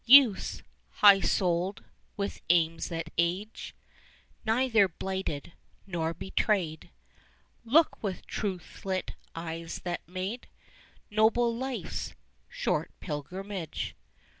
Youths, high souled, with aims that age Neither blighted nor betrayed, Look with truth lit eyes that made Noble life's short pilgrimage.